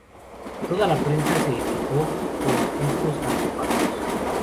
Toda la prensa se equipó con estos artefactos.